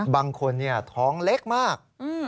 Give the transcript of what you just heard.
บางคนท้องเล็กมาก